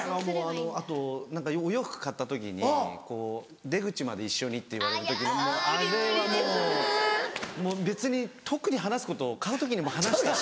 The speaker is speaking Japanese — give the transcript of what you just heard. あとお洋服買った時に「出口まで一緒に」って言われる時のあれはもう別に特に話すこと買う時にもう話したし。